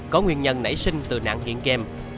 có nguyên nhân nảy sinh từ nạn nghiện game